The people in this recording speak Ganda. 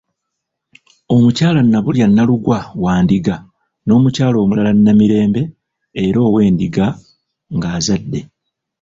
Omukyala Nnabulya Nnalugwa wa Ndiga, n'omukyala omulala Nnamirembe era ow'Endiga ng'azadde.